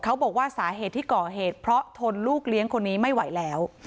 เขาบอกว่าสาเหตุที่ก่อเหตุเพราะทนลูกเลี้ยงคนนี้ไม่ไหวแล้ว